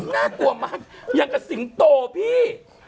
น่ากลัวมากอย่างกับสิงโตพี่